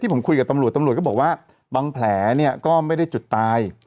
ผมคุยกับตำรวจตำรวจก็บอกว่าบางแผลเนี่ยก็ไม่ได้จุดตาย